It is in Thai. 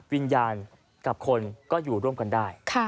วิญญาณกับคนก็อยู่ร่วมกันได้